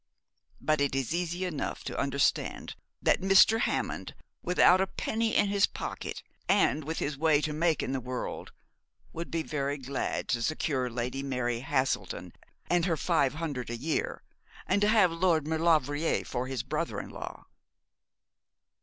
But it is easy enough to understand that Mr. Hammond without a penny in his pocket, and with his way to make in the world, would be very glad to secure Lady Mary Haselden and her five hundred a year, and to have Lord Maulevrier for his brother in law?'